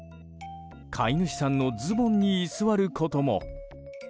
飼い主さんのズボンに居座ることも。